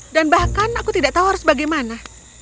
dan bahkan aku tidak tahu harus bagaimana